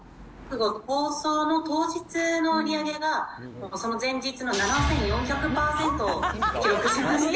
放送の当日の売り上げが、その前日の７４００％を記録しまして。